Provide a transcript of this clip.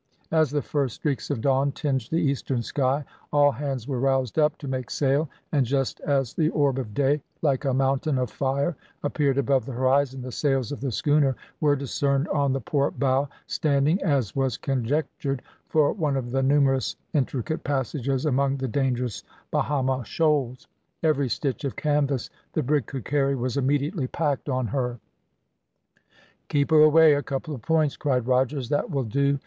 As the first streaks of dawn tinged the eastern sky, all hands were roused up to make sail, and just as the orb of day, like a mountain of fire appeared above the horizon, the sails of the schooner were discerned on the port bow, standing, as was conjectured, for one of the numerous intricate passages among the dangerous Bahama shoals. Every stitch of canvas the brig could carry was immediately packed on her. "Keep her away a couple of points," cried Rogers; "that will do.